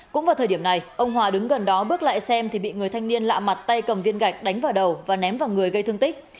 cũng vào thời điểm này ông hòa đứng gần đó bước lại xem thì bị người thanh niên lạ mặt tay cầm viên gạch đánh vào đầu và ném vào người gây thương tích